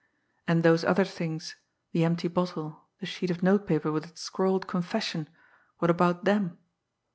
And those other things, the empty bottle, the sheet of note paper with its scrawled confession what about them?